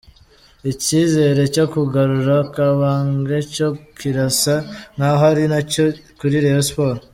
Icyizere cyo kugarura Kabange cyo kirasa nk’aho ari ntacyo kuri Rayon Sport.